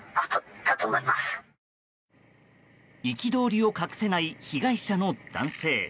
憤りを隠せない被害者の男性。